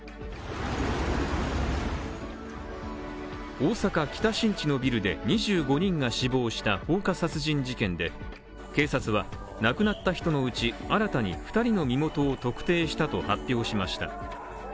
大阪・北新地のビルで２５人が死亡した放火殺人事件で、警察は亡くなった人のうち、新たに２人の身元を特定したと発表しました。